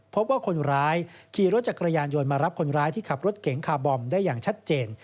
พบว่าคนร้ายขี่รถจักรยานยนต์มารับคนร้ายที่ขับรถเก๋งคาร์บอมได้อย่างชัดเจน